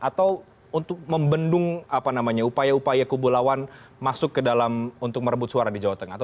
atau untuk membendung upaya upaya kubu lawan masuk ke dalam untuk merebut suara di jawa tengah